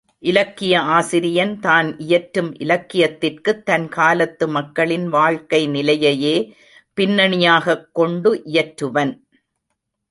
இலக்கிய ஆசிரியன், தான் இயற்றும் இலக்கியத்திற்குத் தன் காலத்து மக்களின் வாழ்க்கை நிலைகளையே பின்னணியாகக் கொண்டு இயற்றுவன்.